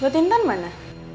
buat tintan mana